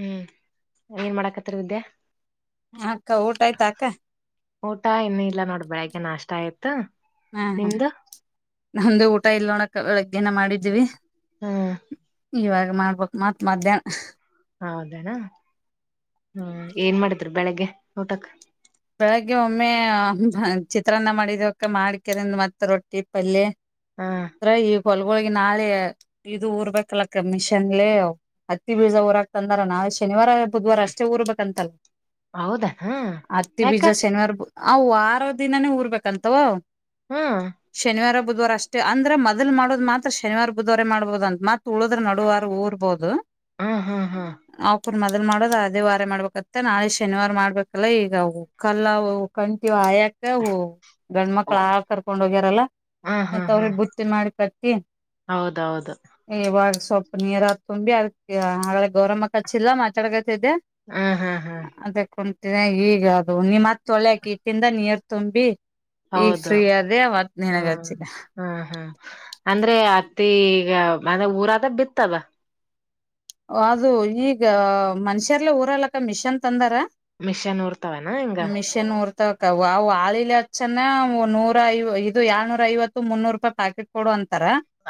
ಹ್ಮ್ ಏನ್ ಮಾಡಕತ್ತರ್ ವಿದ್ಯಾ ಅಕ್ಕ ಊಟ ಆಯ್ತಾ ಅಕ್ಕ ಊಟ ಇನ್ನುೂ ಇಲ್ಲ ನೋಡ ಬೆಳಿಗ್ಗೆ ನಾಷ್ಟ ಆಯ್ತು ಹ್ಮ ಹ ನಿಮ್ದು ನಮ್ದು ಊಟ ಇಲ್ ನೋಣಕ ಬೆಳಗ್ಗೆನ ಮಾಡಿದೀವಿ ಹ್ಮ್ ಇವಾಗ ಮಾಡ್ಬಕ್ ಮತ್ ಮಧ್ಯಾಹ್ನ ಹೌದಣ ಹ್ಮ್ ಏನ್ ಮಾಡಿದ್ರು ಬೆಳಿಗ್ಗೆ ಊಟಕ್ ಹಾಗಗೆ ಒಮ್ಮೆ ಚಿತ್ರಾನ್ನ ಮಾಡಿದಕ ಮಾಡ್ಕಿಂದ ಮ ರೊಟ್ಟಿ ಪಲ್ಯ ಹಾ ರ ಹೊಲ್ಗಳೊಗೆ ನಾಳೆ ಇದು ಊರ್ಬೇಕಲ್ಲ ಕ ಮಿಷನ್ಲಿ ಹತ್ತಿ ಬೀಳ್ಜ ಊರಾಕ್ತಂದಾರ ನಾಳೆ ಶನಿವಾರ ಬುಧವಾರ ಅಷ್ಟೇ ಊರ್ ಬೇಕಂತಲ್ಲ ಹೌದಾ ಹಾ ಯಾಕ ಬೀಜ ಶನಿವಾರ ಆ ವಾರ ದಿನಾನೇ ಊರ್ಬೇಕಂತವ ಹಾ ಶನಿವಾರ ಬುಧವಾರ ಅಷ್ಟ ಅಂದೆ ಮೊದಲ್ ಮಾಡೋ ಮಾತ್ರ ಶನಿವಾರ ಬುಧವಾರ ಮಾಡ್ಬಹುದು ಅಂತ ಮಾತ್ರ ತುಳದ್ರ ನಡುವಾರ ಊರ್ಬಹದು ಹ್ಮ್ ಹ್ಮ್ ಹ್ಮ್ ರ್ ಮೊದಲ್ ಮಾಡದದು ಅದೇ ವಾರ ಮಾಡ್ಬೇಕತ್ತೆ ನಾಳೆ ಶನಿವಾರ ಮಾಡ್ಬೇಕಲ್ಲಾ ಈಗ ಕಲ್ಲವು ಕಂಟೀಆಯಾಕ ಗಂಡ್ಮಕ್ಳ ಆಾಳ್ ಕರ್ಕೊಂಡ್ ಹೋಗ್ಯಾರಲ್ಲ ಹ್ಮ್ ಮತ್ತ ಹ್ಮ್ ಹ್ಮ್ ಅವ್ರಿಗೆ ಬುತ್ತಿ ಮಾಡಿ ಕತ್ತಿ ಹೌದೌದು ವಾಗ ಸ್ವಲ್ಪ ನೀರ್ ಆ ತುಂಬಿ ಅದಕ್ಕೆ ಹಾಗಡೆ ಗೌರಮ್ಮ ಕಚ್ಚಿಲ್ಲ ಮಾತಾಡ ಹ್ಮ್ ಹ್ಮ್ ಹ್ಮ್ ಅದ ಕುಂತಿದೆ ಈಗ ಮತ್ ತಳೆಕಿ ಇಟ್ಟಿಂದ ನೀರ್ ತುಂಬಿ ಈಗ ಹೌದು ಫ್ರೀ ಅದೇ ಅವತ್ ನಿನಗ ಹ್ಮ್ ಹಚ್ಚಿದೆ ಹ್ಮ್ ಹ್ಮ್ ಅಂದ್ರೆ ಮ ಈಗ ಮ ಊರದ ಬಿತ್ತದ ಅದು ಈಗ ಮನ್ಷ್ಯರ್ಲ್ಲ ಊರಲ್ಲಕ್ಕ ಮಿಷನ್ ತಂದಾರ ಮಿಷನ್ ಊರ್ತಾವನ ಹಿಂಗ ಮಿಷನ್ ಊರ್ ತಕ ವು ಆಳಿಲಿ ಹಚ್ಚನ ನೂರ ಐ ಇದು ಏಳ್ನೂರ ಐವತ್ತು ಮುನ್ನೂರು ರೂಪಾಯಿ ಪ್ಯಾಕೆಟ್ ಕೊಡುವ ಅಂತ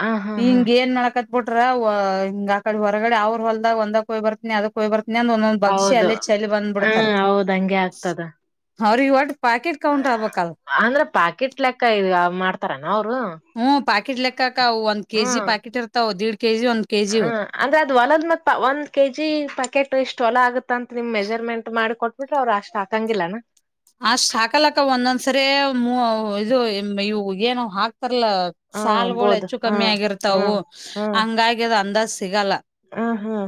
ಹ ಹಾ ಹಾ ಹಿಂಗ ಏನ್ ನಕತ್ ಬಿಟ್ರ ಹ ಆಡೆ ಹೊ ಹೊಗಡೆ ಅವ್ರ ಹೊದಾಗ ಒಂದಾಗಕ್ಕೆಯ್ರ್ತಿನಿ ಅದಕ್ಕೆೋಗ್ ಬರ್ ಇನ್ನೊಂದ ಒಂದೊಂದ್ ಬಕ್ಷಿ ಹೌದು ಅಲ್ಲೇ ಚಲಿ ಬಂದ್ಬಿಡ್ತಾರ ಹ್ಮ್ ಹೌದ್ ಅವ್ರ ಇವ ಅಂದ್ರೆ ಪಾಕಿಟ್ ಲೆಕ್ಕ ಇ ಮಾಡ್ತಾರಾನ ಅವ್ರ ಹ್ಮ್ ಪಾಕೆಟ್ ಲೆಕ್ಕವು ಒಂದ್ ಕೆಜಿ ಪಾಕೆಟ್ ಇರ್ತಾವ್ ದೀಡ್ ಕೆಜಿ ಒಂದ್ ಕೆಜಿ ಹ್ಮ ಅಂದ್ರೆ ಅದ್ ಹೊಲದ್ ಮತ್ ಒಂದ್ ಕೆಜಿ ಪ್ಯಾಕೆಟ್ ಇಷ್ಟು ಹೊಲ ಆಗುತ್ ತಂತ್ ನಿಮ್ ಮೆಜರ್ಮೆಂಟ್ ಮಾಡಿ ಕೊಟ್ಬಿಟ್ರೆ ಅವ್ರು ಅಷ್ಟ ಆಕಂಗಿಲ್ಲನಾ. ಅಷ್ ಹಕಲಕ್ಕ ಒಂದೊಂದ್ಸರಿ ಮೂ ಇದು ಇವು ಏನು ಹಾಕ್ ಲ್ಲ ಹ ಸಾಲುಗಳು ಬೋದು ಹೆಚ್ಚು ಹ ಕಮ್ಮಿ ಹ ಆಗಿರ್ತವು ಹ ಹಂಗಾಗಿ ಅದು ಅಂದಾಜ್ ಸಿಗಲ್ಲ ಹ ಹಾ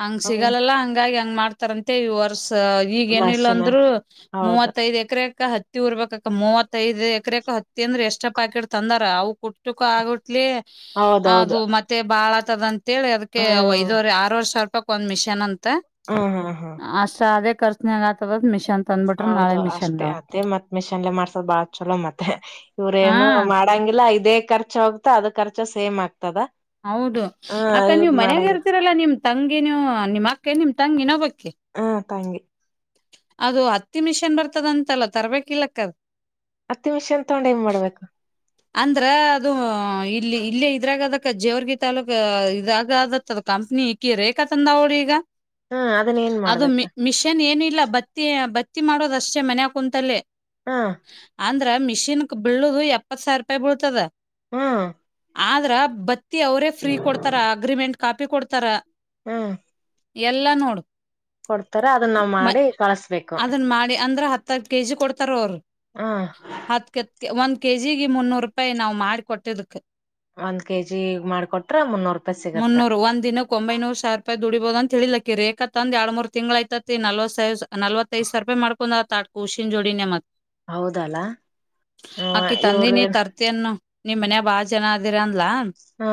ಹಂಗ ಹ್ಮ ಸಿಗಲ್ಲಲ್ಲ ಹಂಗಾಗಿ ಹೆಂಗ್ ಮಾಡ್ತ ರಂತೆ ಈ ವರ್ಷ ಈಗ ಏನಿಲ್ಲ ಮಶಿನ ಅಂದ್ರರು ಹೌದು ಮೂವತ್ತೈದ ಎಕರೆ ಎ್ರಕ್ಕ ಹತ್ತಿ ಉರ್ಬೇಕಕ್ಕ ಮೂವತ್ತೈದು ಎಕ್ರಕ ಹತ್ತಿಂದ್ರ ಎಷ್ಟ ಪಾಕೆಟ್ ತಂದಾರ ಅವವು ಇಷ್ಟಕ್ಕೂ ಆಗುಟ್ಲಿ ಹೌದೌದು ಅದು ಮತ್ತೆ ಬಾಳತದಂತ ಅಂತೇಳಿ ಅದಕ್ಕೆ ಹ್ಮ್ ಐದ್ವರೆ ಆರವರೆ ಸಾವಿರೂಪಕ್ ಒಂದ್ ಮಿಷನ್ ಅಂತ ಹ್ಮ್ ಹ್ಮ್ ಹ್ಮ್ ಅಸ ಅದೇ ಕರ್ಸನ ಆತದ ಮಿಷನ್ ತಂದ್ಬಿಟ್ರ ನಾಳೆ ಹೌದು ಮಿಷನ್ ಅಷ್ಟೇ ಅದೇ ಮತ್ ಮೆಷನ್ಲೆ ಮಾಡ್ಸೋದ್ ಬಾಳ ಚಲೋ ಮತ್ತೆ ಹಾ ಇವ್ರೇಏನು ಮಾಡಂಗಿಲ್ಲ ಇದೇ ಖರ್ಚು ಹೋಗತಾ ಅದು ರ್ಚ ಸೇಮ್ ಆಗ್ತ ಹೌದು ಅಕ್ಕ ನೀವ್ ಮನ್ಯಾಗೆ ಮಾಡಂಗಿಲ್ಲ ಇರ್ತೀರಲ್ಲಾ ನಿಮ್ ತಂಗಿ ನೀವು ನಿಮ್ಮ್ ಅಕ್ಕ ನಿಮ್ ತಂಗ್ ಇನೊಬ್ಬಕಿ. ಮತ್ ಹಂಗೆ. ಅದು ಹತ್ತಿ ಮಿಷನ್ ಬರ್ತದಂತಲ್ಲ ತರ್ಬೇಕಿಲ್ಲಕ್ಕ ಅದು. ಹತ್ತಿ ಮಿಷನ್ ತಗೊಂಡ್ ಏನ್ ಮಾಡ್ಬೇಕು ಅಂದ್ರ ಅದು ಇಲ್ಲಿ ಇಲ್ಲಿ ಇದ್ರಾಗದಕ್ಕ ಜೇವರ್ಗಿ ತಾಲೂಕ್ ಇದಾಗದತ್ ಅದ್ ಕಂಪ್ ನೀ ಇಕಿ ರೇಖಾ ತಂದ ಅವ್ಡ್ ಈಗ. ಹಾ ಅದನ್ನ ಏನ್ ಅದು ಮಾಡ್ಬೇಕ. ಮಿ ಮಿಷನ್ ಏನಿಲ್ಲ ಬತ್ತಿ ಬತ್ತಿ ಮಾಡೋದ್ ಅಷ್ಟೇ ಮನ್ಯಾಗ್ ಕುಂತಲ್ಲಿ ಹ್ಮ ಅಂದ್ ದ್ರ ಮಿಷೀನ್ಕ್ ಬೀಳುದು ಎಪ್ಪತ್ ಸಾವ್ರ ರೂಪಾಯಿ ಬೀಳ್ತದ. ಹಾ ಆದ್ರ ಬತ್ತಿ ಅವ್ರೇ ಫ್ರೀ ಕೊಡ್ತಾರ ಅಗ್ರಿಮೆಂಟ್ ಕಾಪಿ ಕೊಡ್ತಾರ. ಹಾ ಎಲ್ಲ ನೋಡು. ಕೊಡ್ತಾರ ಅದನ್ ನಾವ್ ಮಾಡಿ ಕಳಸ್ಬೇಕು. ಹತ್ತತ್ ಕೆಜಿ ಕೊಡ್ತಾರ್ ಅವ್ರು. ಹಾ ಹತ್ ಒಂದ್ ಕೆ ಜಿಗೆ ಮುನ್ನೂರು ರೂಪಾಯಿ ನಾವ್ ಮಾಡಿ ಕೊಟ್ಟಿದ್ದಕ್. ಒಂದ್ ಕೆಜಿ ಮಾಡ್ಕೊಟ್ರ ಮುನ್ನೂರು ರೂಪಾಯಿ ಸಿಗತ್ತ ಮುನ್ನೂರು ಒಂದಿನಕ್ ಒಂಬೈನೂರು ಸಾವ್ರ್ ರೂಪ ದುಡಿಬೊದ್ ಅಂತ ಹೇಳಿಲ್ ಆಕಿ ರೇಖಾ ತಂದ್ ಎರ್ಡ್ ಮೂರ್ ತಿಂಗ್ಳಾಯ್ತದ್ ನಲ್ವತ್ ಸೈಸ್ ನಲ್ವೈ ಐದ್ ಸರ್ಪೈ ಮಾಡ್ಕೊಂಡ್ತ ಆತ್ ಕುಷಿನ್ ಜೋಡಿನೇ ಮತ್ತ್ ಹೌದಲ್ಲ ಹ್ಮ ಆಕ್ಕಿ ಇವ್ರ ತಂದಿನೀ ಏನ್ ತರ್ತಯನ್ನೊ ನಿಮ್ ಮನ್ಯ ಬಾಳ ಜನ ಆದಿರ್ ಅಂದ್ಲಾ. ಹಾ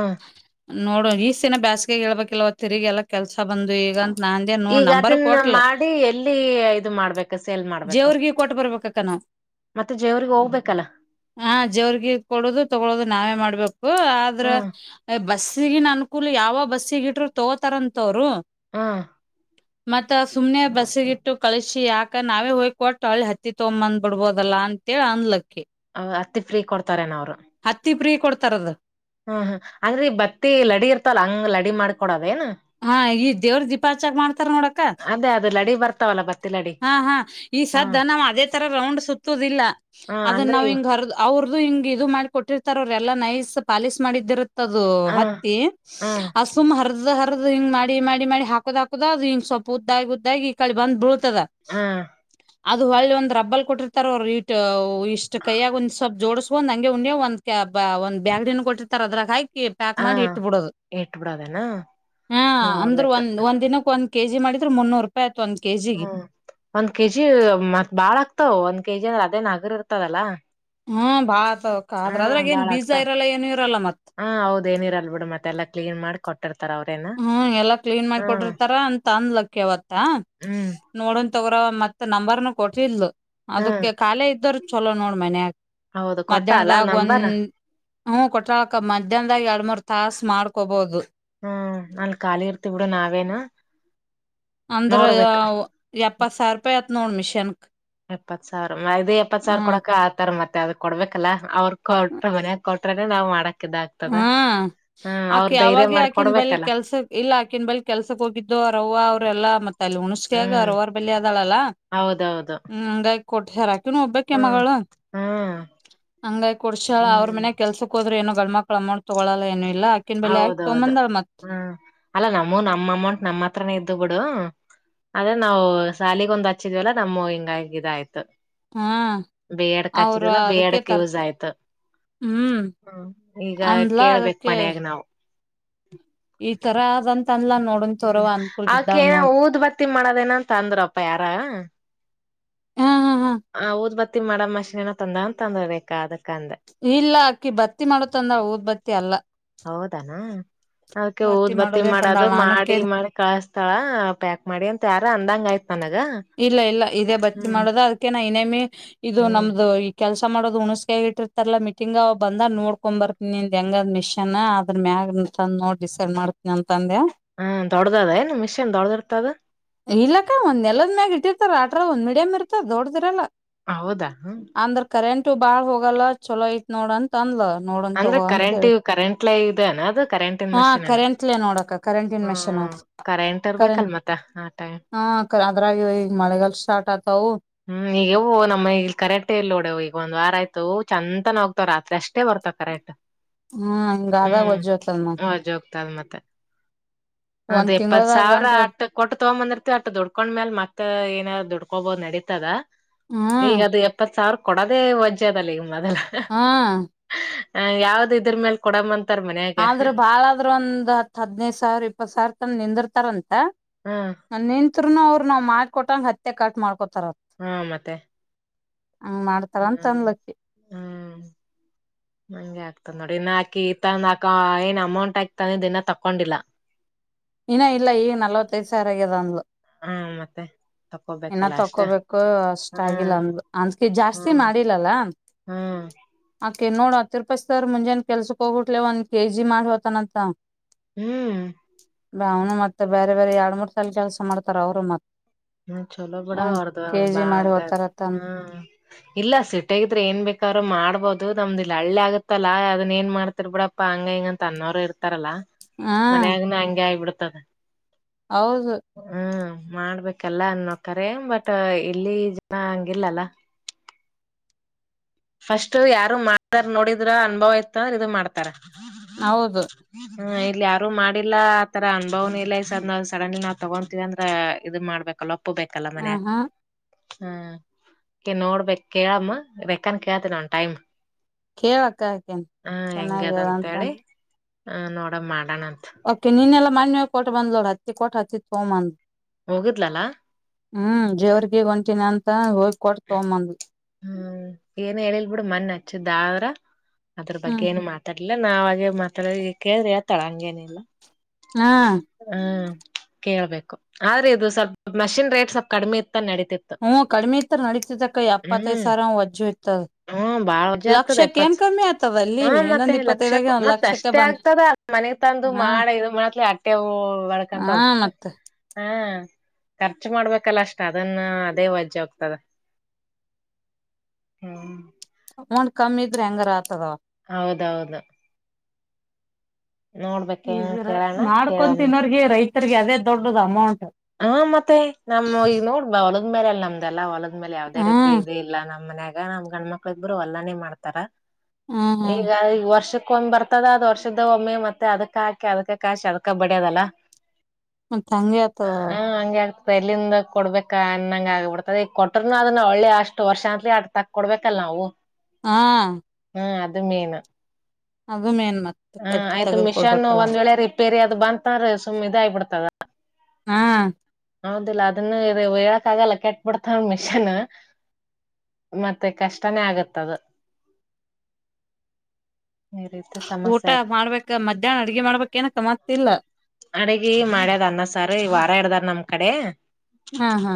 ನೋಡು ಈಸ್ಯಾನ ದಿನ ಬ್ಯಾಸ್ಗೆ ಹೇಳ್ಬೇಕಲ್ವ ತಿರಿಗ್ ಎಲ್ಲಾ ಕೆಲ್ಸ. ಬಂದು ಈಗಂತ್ ನಾ ಅಂದೇ ನೋ ಈಗ ನಂಬರ್ ಅದನ್ನ ಕೊಟ್ಲ. ಮಾಡಿ ಎಲ್ಲಿ ಇದು ಮಾಡ್ಬೇಕು ಸೇಲ್ ಮಾಡ್ಬೇಕು. ಜೇವ್ರಿಗಿ ಕೊಟ್ ಬರ್ಬೇಕಕ್ಕ ನಾವ್ ಮತ್ತೆ ಜೇವ್ರಿಗ್ ಹೋಗ್ಬೇಕಲ್ಲ. ಹಾ ಜೇವ್ರಿಗೆ ಕೊಡೋದು ತಗೊಳೋದು ನಾವೇ ಮಾಡ್ಬೇಕು ಆದ್ರ ಹ್ಮ್ ಆ ಬಸ್ಸಿಗಿನ ಅನುಕೂಲ್ ಯಾವ ಬಸ್ಸಿಗಿನು ಇಟ್ರು ತೋಗೂತಾರಂತವ್ರು. ಆ ಮತ್ತ ಸುಮ್ನೆ ಬಸ್ಸಗಿಟ್ಟು ಕಳಶಿ ಯಾಕ್ ಕ ನಾವೇ ಹೋಗ್ ಕೊಟ್ ಹೂಳ್ ಹತ್ತಿ ತೊಗೋಬಂದ್ ಬಿಡ್ಬೋದಲ್ಲ ಅಂತ ಹೇಳ್ ಅನ್ಲಕ್ ಹ ಹತ್ತಿ ಫ್ರೀ ಕೊಡ್ತಾರೆನ ಅವ್ರು. ಕೊಡ್ತಾರದ್ ಹ್ಮ್ ಹ್ಮ್ ಅಂದ್ರೆ ಬತ್ತಿ ಲಡಿ ಇರ್ತಲ್ಲ ಹಂಗ್ ಲಡಿ ಮಾಡ್ಕೊಡದ್. ಹಾ ಈ ದೇವ್ರ ದೀಪಾಚಕ್ ಮಾಡ್ತಾರ್ ನೋಡಕ್ಕ. ಅದೇ ಅದು ಲಡಿ ಬರ್ತಾವಲ್ಲ ಬತ್ತಿ ಲಡಿ ಹಾ ಹಾ ಈ ಹ್ಮ್ ಸದ್ದ ನಾವ್ ಅದೇ ತರ ರೌಂಡ್ ಸುತ್ತುದಿಲ್ಲ ಹ್ಮ್ ಅದನ್ನ ಅಂದ್ರೆ ನಾವ್ ಇವ್ ಹಿಂಗ ಹರ್ ಅವರ್ ಹಿಂಗ ಇದು ಮಾಡ ಕೊಟ್ಟಿ [unintelligible] ನೈಸ್ ಪಾಲಿಶ್ ಮಾಡಿದಿರುತ್ ಅದು ಹ್ಮ್ ಹತ್ತಿ ಹ್ಮ್ ಅದು ಸುಮ್ [unintelligible] ಹರದ್ ಹಿಂಗ ಮಾಡಿ ಮಾಡಿ ಹಾಕುದದ ಹಾಕುದದ ಅದು ಹಿಂಗ ಸ್ವಪ ಉದ್ದಾಗಿ ಉದ್ದಾಗಿ ಈ ಕಡಿ ಬಂದ್ ಬೀಳ್ತದ. ಹಾ ಅದು ಹೊಳ್ಳ ಒಂದ್ ರಬ್ಬಲ್ ಕೊಟ್ಟಿರ್ತಾರ್ ಅವ್ರು ಇಟ್ಟ ಇಷ್ಟ್ ಕೈಯಾಗ್ ಒಂದ್ ಸ್ವಪ್ ಜೋಡುಸ್ ಒಂದ್ ಹಂಗೆ ಉಂದ್ಯ ಒಂದ್ ಅಬ್ಬಾ ಒಂದ್ ಬ್ಯಾಗ್ ಡಿನು ಕೊಟ್ಟಿರ್ತರ್ ಅದ್ರಾಗ್ ಹಾಕ್ ಕಿ ಪ್ಯಾಕ್ ಹ ಮಾಡ್ ಇಟ್ಟ ಬಿಡೋದ್ ಇಟ್ಬಿಡೋದೇನಾ ಹ ಅಂದ್ರ ನೋಡ್ಬೇಕ ಒಂದ್ ಒಂದಿನಕ್ ಒಂದ್. ಕೆ ಜಿ ಮಾಡಿದ್ರೆ ಮುನ್ನೂರು ರೂಪಾಯಿ ಆತು ಒಂದ್ ಕೆ ಜಿಗೆ. ಹ್ಮ್ ಒಂದ್ ಕೆಜಿ ಮತ್ ಬಾಳ ಆಕ್ತವ ಒಂದ್ ಕೆಜಿ ಅದೇ ನಗ್ರ ಇರ್ತದಲ್ಲಾ. ಹ್ಮ ಭಾಳ್ ಅತ್. ತೋವ್ ಕ ಆದ್ರ ಅದ್ರಾಗ್ ಏನ್ ಬಾಳ ಬೀಜ ಆಗ್ತಾವ ಇರಲ್ಲ ಏನು ಇರಲ್ಲ ಮತ್. ಹಾ ಹೌದ ಏನಿರಲ್ ಬಿಡು ಮತ್ತೆಲ್ಲಾ ಕ್ಲೀನ್ ಮಾಡಿ ಕೊಟ್ಟಿರ್ತಾರ ಅವ್ರೇನ ಹ್ಮ್ ಎಲ್ಲಾ ಕ್ಲೀನ್ ಹ್ಮ್ ಮಾಡಕೊಟ್ಟಿರ್ತಾರ್ ಅಂತ ಅಂದ್ಲಕಿ ಅವತ್ತ ಹ್ಮ್ ನೋಡೋನ್ ತೊಗ್ರೋ ಮತ್ ನಂಬರ್ನು ಕೊಟ್ಟಿದ್ಲು ಹ್ಮ್ ಅದುಕ್ಕೆ ಕಾಲೆ ಇದೋರು ಚಲೋ ನೋಡ್ ಮನ್ಯಾಗ್. ಹೌದು ಕೊಟ್ಟ ಅಲ್ಲಾ ಮಧ್ಯಾಹ್ನದಾಗ್ ಒಂದ್ ನಂಬರ್ ಹ್ಮ ಕೊಟ್ರಕ ಮಧ್ಯಾಹ್ದಾಗ್ ಎರ್ಡ್ ಮೂರ್ ತಾಸ್ ಮಾಡ್ಕೊಬೊದು. ಹ್ಮ ನನ್ ಖಾಲಿ ಇರ್ತಿೀವ್ ಬಿಡು ನಾವೇನು ಅಂದ್ರ ನೋಡ್ಬೇಕ ಎಪ್ಪತ್ ಸಾವಿರ ರೂಪಾಯಿ ಆತ್ ನೋಡ್ ಮಿಷನ್ಕ್ ಎಪ್ಪತ್ ಸಾವಿರ ಇದು ಎಪ್ಪತ್ ಸಾವಿರ ಹ್ಮ್ ಕೊಡಕ ಆತರ ಮತ್ತೆ ಅದ ಕೊಡ್ಬೇಕಲ್ಲ ಅವ್ರ. ಕೊಟ್ರ ವಲ್ಯ ಕೊಟ್ರೆ ನಾವ್ ಮಾಡಕ್ ಇದ ಆಗ್ತದ ಹ್ಮ ಹ್ಮ್ ಅವ್ರ ಆಕಿ ಧೈರ್ಯ ಯಾವಾಗ ಆಕಿನ್ ಬಲ್ ಮಾಡ್ಕೊಡ್ಬೇಕಲ್ಲ ಕೆಲ್ಸಕ್ ಇಲ್ಲ ಆಕಿನ್ ಬಲ್ ಕೆಲ್ಸಕ್ ಹೋಗಿದ್ದು ಅವರವ್ವ ಅವ್ರ ಲ್ಲ ಮತ್ತೆ ಅಲ್ಲಿ ಉಣಸಕಾಗ ಹ್ಮ್ ರೋವರ್ ಬಲ್ಲಿ ಅದಳಲ್ಲಾ ಹೌದೌದು ಹ ಹಂಗ ಕೊಟ್ಟಾ ಒಬ್ಬಕಿ ಹ್ಮ್ ಮಗಳು ಹ್ಮ್ ಹಂಗ್ಯಾಗ್ ಕೊಡ್ಸಳ ಅವ್ರ ಹ್ಮ್ ಮನ್ಯಾಗ ಕೆಲ್ಸಕ್ ಹೋದ್ರ ಏನು ಗಂಡ್ಮಕ್ಲು. [unintelligible] ತಗೊಳ್ಳಲ್ಲ ಎನಿಲ್ ಹೌದೌದು ಹ್ಮ ಅಲ್ಲಾ ನಮ್ಮೂ ನಮ್ ಅಮೌಂಟ್ ನಮ್ಮ ಹತ್ರನೇ ಇದ್ದು ಬಿ ಆದ್ರೆ ನಾವು ಸಾಲಿಗ ಒಂದ್ ಹಚ್ಚಿದ್ವಲ್ಲ ನಮ್ಮ ಹಿಂಗಾಗಿ ಇದ ಆಯ್ತು ಹ್ಮ್ ಬಿ ಎಡ್ಕ್ ಅವ್ರ ಹಚ್ಚಿದಲ್ಲ ಬಿ ಅದಕ್ಕೆ ಎಡ್ಕ್ ತರ್ ಯೂಸ್ ಆಯ್ತು. ಹ್ಮ್ ಹ ಈಗ ಅಂದ್ಲ ಕೇಳ್ಬೇಕ್ ಅದಕ್ಕೆ ಮನ್ಯಾಗ ನಾವು ಈ ತರ ಆದಂತ್ ಹ್ಮ್ ಆಕೇ ಊದ್ ಬತ್ತಿ ಮಾಡದೇನಂತ ಅಂದ್ರಪ್ಪ ಯಾರ. ಹ್ಮ್ ಹ್ಮ್ ಹ್ಮ್ ಹ ಓದ್ ಬತ್ತ ಮಾಡ ಮಷಿನ್ ಏನೋ [unintelligible] ಇಲ್ಲ ಅಕ್ಕಿ ಬತ್ತಿ ಮಾಡತಂದ್ರ ಊದ ಬತ್ತಿ ಅಲ್ಲ. ಅದ್ಕ ಊದ್ ಬತ್ತಿ ಮಾಡೋದೇ ತಂದಾಳ ಮಾಡದು ನಾನು ಮಾಡಿ ಕೇಳ್ ಮಾಡಿ ಕಳಸ್ತಾಳ ಪ್ಯಾಕ್ ಮಾಡಿ ಅಂತ ಯಾರ ಅಂದಂಗ ಆಯ್ತ. ಇಲ್ಲ ಇಲ್ಲ ಇದೇ ಬರ್ತಿ ಮಾಡದ ಅದಕ್ಕೆ ನಾ ಇನೇಮಿ ಇದು ಹ್ಮ್ ನಮ್ದು ಈ ಕೆಲ್ಸ ಮಾಡೋದು ಹಣಸಕ ಇಟ್ಟಿರ್ತಾರಲ್ಲ ಮೀಟಿಂಗ್ ಬಂದ ನೋಡ್ಕೊಂಡ್ ಬರ್ತೀನಿ ನಿ ಹೆಂಗ್ ಮಿಷನ್ ಅದ್ರ ಮ್ಯಾಗ. ಅಂತ ನೋ ಡಿಸೈಡ್ ಮಾಡ್ತನಿ ಅಂತ ತಂಡೆ [unintelligible] ಹ ದೊಡ್ಡದದ ಏನ್ ಮಿಷನ್ ದೊಡ್ಡದಿರ್ತದ ಇಲ್ಲಕ್ಕ [unintelligible] ಇಟ್ಟಿರ್ತಾರ [unintelligible] ಒಂದ ಮಡಿಯಮ ಇರ್ತದ ದೊಡ್ದರಲ್ಲ ಹೌದಾ ಇಷ್ಟು ಬಾಳ್ ಹೋಗಲ್ಲ ಚೊಲೋ ಐತ್ ನೋಡ ಅಂತ ಅನ್ಲ ಅಂದ್ರೆ ಕರೆಂಟ್ ಕರೆಂಟ್ಲ ಇದೆ ಅನ ಅದು ಕರೆಂಟನ್ ಹಾ ಮಷಿನ್ನ ಕರೆಂಟ್ಲೆ ನೋಡಕ್ಕ ಕರೆಂಟಿನ್ ಹ ಮೆಷಿನ್ ಹ ಅದು ಕರೆಂಟ್ ಇರ್ಬೇಕಲ್ ಮತ್ತ ಆ ಟೈಮ್ ಹಾ ಅದ್ರಾಗ ಈಗ ಮಳೆಗಾಲ್ ಸ್ಟಾರ್ಟ್ ಆತಾವು ಹ್ಮ್ ಈಗವು ನಮ್ಮ ಇ ಕರೆಟೆ ಇಲ್ಲಿ ನೋಡೆವು ಈಗ ಒಂದ್ ವಾರ ಆಯ್ತು. ಆಯ್ತ ಚಂದನ ಹೋಗ್ತವ ರಾತ್ರಿ ಅಷ್ಟೇ ಬರ್ತಾವ ಕರೆಕ್ಟ್ ಹ್ಮ ಹಿಂಗಾದಾಗ ಹ್ಮ್ ವಜ್ಜೋತಲ್ ನ [unintelligible] ಮತ್ತೆ ಅದ ಒಂದ್ ಎಪ್ಪತ್ ತಿಂಗಳದಾಗ ಸಾವಿರ ಗಂಟ ಅಟ್ಟ ಕೊಟ್ಟು ತಗೊಂಡ್ಬಂದಿರ್ತತಿ ಅಟ್ಟು ದುಡ್ಕೊಂಡ್ಮೇಲ್ ಮತ್ತ ಏನಾದ ದುಡ್ ಕಬೋದು ನಡೀತದ ಈಗ ಹ್ಮ್ ಅದು ಎಪ್ಪತ್ ಸಾವಿರ ಕೊಡೋದೇ ವಜ್ಯದಲ್ಲಿ. ಮೊದ ಹ್ಮ್ ಯಾವ್ದ ಇದ್ರ ಮೇಲ್ ಕೊಡಂಮ ಆದ್ರ್ ಬಾಳಾದ್ರರು ಒಂದ್ ಹತ್ ಹದಿನೈದು ಸಾವಿರ ಇಪ್ಪತ್ ಸಾವಿರ ತಂದ ನಿಂದಿರ್ತಾರಂತೆ ಹ್ಮ ನಿಂತ್ನು ಅವರು ನಾವ್ ಮಾಡ್ಕೊಟ್ಟಂಗ ಹತ್ತೆ ಕಟ್ ಮಾಡ್ಕೊತ ಹಾ ಮತ್ತೆ ಹಾ ಮಾಡ್ತಾಳಂತೆ ಹ್ಮ್ ಅಂತನ್ಲಕ್ಕಿ ಹ್ಮ್ ಹಂಗೆ ಆಗ್ತದ ನೋಡಿ ಇನ್ನ ಹಾಕಿ ಇ ತಂದಾಕ ಏನ್ ಅಮೌಂಟ್ ಆಕಿ ತಂದ ಇನ್ನ ತಕೊಂಡಿಲ್ಲ ಇನ್ನ ಇಲ್ಲ ಈಗ ನಲ್ವತ್ತೈಸ ಆರಗದ ಅಂದ್ಲು ಹಾ ಮತ್ತೆ ಇನ್ನ ತಕೋಬೇಕಲ್ಲ ಅಷ್ಟ ತಕೋಬೇಕು ಅಷ್ಟ ಆಗಿಲ್ಲ ಹ್ಮ್ ಅಂದ ಅಂತಕಿ ಜಾಸ್ತಿ ಹ್ಮ್ ಮಾಡಿಲ್ಲಲ್ಲ. ಹ್ಮ್ [unintelligible] ಮುಂಜಾನ ಕೆಲ್ಸಕ್ ಹೋಗಿಟ್ಲ ಒಂದ ಎಜಿ ಮಾಡ್ ಹೊತನಂತ. ಹ್ಮ್ ಅವನು ಮತ್ತೆ ಬೇರೆ ಬೇರೆ ಎರಡ್ ಮೂರ್ ಸಲ ಕೆಲಸ ಮಾಡ್ತಾರ ಅವ್ರು ಮತ್ತ್ ಹ್ಮ ಚಲೋ ಬಿಡ ಅವರ್ದ್ ಮಾಡಿ ಬಾಳದ ಹೋತಾರತ್ತ ಹ್ಮ್ ಇಲ್ಲ ಸಿಟ್ಟಗಿದ್ರೆ ಏನ್ ಬೇಕ [unintelligible] ಮಾಡ್ಬಹದು ಅದು ನಮ್ದ ಇಲ್ಲಿ ಹಳ್ಳಿ ಆಗುತ್ತಲ್ಲಾ ಅದನ್ನ ಏನ್ ಮಾಡ್ತಿರ್ ಬಿಡಪ್ಪಾ ಹಂಗ ಹಿಂಗಂತ ಅನ್ನೋರು ಇರ್ತಾರಲ್ಲಾ. ಹಾ ಮನೆಯಾಗನ ಅಂಗ ಇ ಬಿಡತದೆ ಹೌದು ಮಾಡ್ಬೇಕಲ್ಲ ಅನ್ನೋಕಾರೆ ಬಟ್ ಇಲ್ಲಿ ಜನ ಹಂಗಿಲ್ಲಲ್ಲ ಫಸ್ಟ್ ಯಾರು ಮಾಡತಾರ ನೋಡಿದ್ರ ಅನುಭವ ಆಯ್ತಂದ ಇ ಮಾಡ್ತಾರ ಬ ಬೀ ಬ ಹೌದು ಹ್ಮ ಇಲ್ಲಿ ಯಾರು ಮಾಡಿಲ್ಲ ಆ ತರ ಅನುಭವನ ಇಲ್ಲ ಈ ಸರ್ ನ ಸಡನ್ಲಿ ನಾವವು ತಗೊಂತೀವಿ ಅಂದ್ರೆ ಇದದು ಮಾಡ್ಬೇಕಲ್ವ ತಪ್ಪಬೇಕಲ್ಲ ಹ ಮನ್ಯಾಗ ಹಾ ಹ್ಮ ನೋಡ್ಬೇಕ ಕೇಳಮ್ಮ ಅಕ್ಕನ್ ಕೇಳ್ತನ ನನ್ ಟೈಮ್ ಕೇಳಕ್ಕ ಆಕೇನ್ ಹಾ ಹೆಂಗ ಚೆನ್ನಾಗ್ಯದ ಅದಂತೇಳಿ ಅಂತಂದ ಹ ನೋಡ ಮಾಡ ಓಕೆ ನೀನ್ಲ್ಲ ಮಾನ್ಯವ ಕೊಟು ಬಂದ್ಲೋಡ್ ಹತ್ತಿ ಕೊಟ್ಟಟ್ ಹತ್ತಿ ತಗೋ್ಂದ ಹೋಗಿದ್ಲಲ್ಲ ಹ್ಮ್ ಜೇವರ್ಗ ಹೊಂಟೀನಿ ಅಂತ ಹೋಗ ಹ್ಮ್ ಏನ್ ಹೇಳಿಲ್ ಬಿಿಡು ಮನ್ ಹಚ್ಚಿದ್ದ ಅವ್ರ ಅದ್ರ ಬಗ್ಗೆ ಹ್ಮ್ ಏನು ಮಾತಾಡ್ಲಿಲ್ಲ ನಾವ್ ಹಾಗೆ ಮಾತಾಡ ಈ ಕೇಳ್ರಿ ಹತಳ ಹಂಗೇನ ಇಿಲ್ಲ ಹಾ ಹ್ಮ ಕೇಳ್ಬೇಕು ಆದ್ರೆ ಇದು ಸ್ವಲ್ಪ ಮಷಿನ್ ರೇಟ್ ಸ್ವಲ್ಪ ಕಡಿಮೆ ಇತ್ತು ನಡೀತಿತ್ತು ನಡೀತಿದ ಕೈ ಅಪ್ಪತ್ತೈ ಹ್ಮ್ ಸಾರ ಅವ್ ಅಜ್ಜ ಇಯತ ಹ್ಮ್ ಬಾಳ ವರ್ಜೆ ಆಗ್ತದ ಎಪ್ಪತ್ಸ ಆತದ ಅಲ್ಲಿ ಹ್ಮ ಮತ್ತೆ ಇನ್ನೊಂದ್ ಇಪ್ಪತ್ತೈದಾಗ ಲಕ್ಷಕ್ಕ ಒಂದ್ ಮತ್ತ ಲಕ್ಷಕ್ಕೆ ಅಷ್ಟೇ ಬಂತ್ ಆಗ್ತದ ಮ ನನಗ್ ತಂದು ಹಾ ಮಾಡ ಇ ಮಾಡತ್ ಅಟ್ಟೆ ಹ ಬರ್ಕಂತ ಹಾ ಮತ್ತ ಹ ಖರ್ಚು ಮಾಡ್ಬೇಕಲ್ಲ ಅಷ್ಟ ಅದನ್ನ ಅದೇ ವಾಜ್ಜ ಹೋಗ್ತದೆ ಹ್ಮ್ ಒಂಡ ಕಮ್ಮಿ ಇದ್ರೆ ಹೆಂಗಾರ ಆತದವ ಹೌದೌದು ನೋಡ್ಬೇಕ ಹೆಂಗ್ ಈಗ ಕೇಳೋಣ ಮಾಡ್ಕೊ ಕೇಳೋಣ ತಿನ್ನೋರ್ಗೆ ರೈತರ್ಗೆ ಅದೇ ದೊಡ್ಡದು ಅಮೌಂಟ್ ಹಾ ಮತ್ತೆ ನಮ್ ಈಗ ನೋಡ್ಬ ಹೊಳಗ ಮೇಲೆ ಅಲ್ ನಮ್ದೆಲ್ಲಾ ಹೊಲಗ ಅ್ಮೇಲೆ ಯಾವ್ದೇ ರೀತಿ ಹ್ಮ್ ಇ ಇದ ಇಲ್ಲ ನಮ್ಮ್ ಮನ್ಯಾಗ ನಮ್ ಗಂಡ ಮಕ್ಳ ಇದಬರು ಅಲ್ಲಾನೇ ಮಾಡ್ತಾರ ಹ್ಮ್ ಹ್ಮ್ ಈಗ ಈಗ ವರ್ಷ ಕೊ್ ಬರ್ತದ ಅದ್ ವರ್ಷದ ಒಮ್ಮೆ ಮತ್ತೆ ಅದಕ್ ಹಾಕಿ ಅದಕ ಕಸಿ ಅದಕ ಬಡ್ಯದಲ್ಲ ಚಂಗೆತ ಹ ಹಂಗೆ ಆಗ್ತದ ಎಲ್ಲಿಂದ ಕೊಡ್ಬೇಕ ಅನ್ನಂಗ ಆಗ್ಬಿಡ್ತದ ಈಗ ಕೊಟ್ರರುನು ಅದನ್ನ ಒಳ್ಳಿ ಅಷ್ಟು ವರ್ಷ ಅಂತತ್ಲಿ ಆ ತಕ್ಕಕ ಕೊಡ್ಬೇಕಲ್ಲ ಹೋ ಹಾ ಹಾ ಅದು ಮೇನ ಅದು ಮೇನು ಹ ಆಯ್ತು ಮಿಷನ್ ಒಂದ್ ವೇಳೆ ರಿಪೇರಿ ಅದ್ ಬಂತನ್್ರ ಸುಮ್ ಇದ ಆಗ್ಬಿಡ್ತದ ಹಾ ಹೌದಿಲ್ಲಾ ಅದನ್ನ ಇ ಹೇಳಕ್ ಆಗಲ್ಲ ಕೆಟ್ ಬಿಿಡ್ತವ ಮಿಷನ್ ಮತ್ತೆ ಕಷ್ಟನೇ ಆಗದ ಊಟ ಮಾಡ್ಬೇಕ ಮಧ್ಯಾಹ್ನ ಅಡ್ಗೆ ಮಾಡ್ಬೇಕ ನ ಕಮಾತಿಲ್ಲ ಅಡಗಿ ಮಾಡ್ಯದ್ ಅನ್ನಸಾರ್ ಈ ವಾರ ಇಡ್ದಾರ್ ನಮ್ ಕಡೆ ಹಾ ಹಾ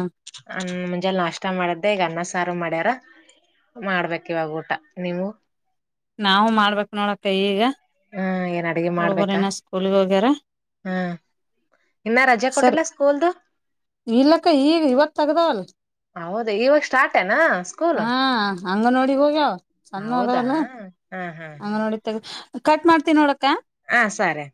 ಅ ಮುಂಜೆ ನಾಷ್ಟ ಮಾಡದ್ದೇ ಈಗ ಅನ್ನ ಸಾರು ಮಾಡ್ಯಾರ ಮಾಡ್ಬೇಕ ಇವಾಗ ಊಟ ನೀವು ನಾವವು ಮಾಡ್ಬೇಕಕ್ ನೋಡಕ್ಕೈ ಈಗ ಹ್ಮ ಹಡುಬರಿನ ಸ್ಕೂಲ್ ವಗೇರಾ ಹ್ಮ ಇನ್ನ ರಜೆ ಸರಿ ಕೊಟ್ಟಿಲ್ಲ ಸ್ಕೂಲ್ದು ಇಲ್ಲಕ್ಕ ಈಗ ಇವತ್ ತಗ್ದವಲ್ ಹೌದ ಇವಾಗ ಸ್ಟಾರ್ಟ್ ಏನಾ ಸ್ಕೂಲ್ ಹಾ ಹಂಗ ನೋಡಿ ಹೋಗ್ಯಾವ ಸಣ್ಣ ಹೌದಾ ಅದಲ್ಲ ಹಾ ಹಾ ಹಂಗ ಹಾ ನೋಡಿತ್ತ ಕಟ್ ಮಾಡ್ತನಿ ನೋಡಕ್ಕ ಹಾ ಸಾರೆ